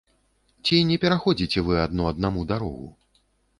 Ці не пераходзіце вы адно аднаму дарогу?